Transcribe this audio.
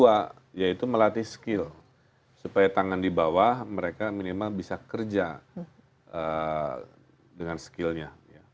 yaitu melatih skill supaya tangan di bawah mereka minimal bisa kerja dengan skillnya